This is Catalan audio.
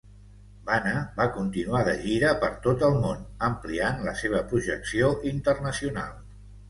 Bana va continuar de gira per tot el món, ampliant la seva projecció internacional.